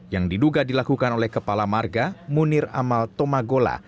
yang diduga dilakukan oleh kepala marga munir amal tomagola